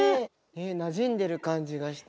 なじんでる感じがして。